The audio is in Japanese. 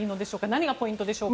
何がポイントでしょうか。